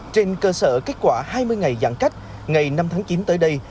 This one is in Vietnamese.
trên cơ sở kết quả hai mươi ngày giãn cách ngày năm tháng chín tới đây